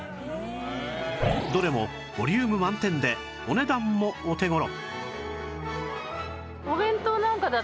どれもボリューム満点でお値段もお手頃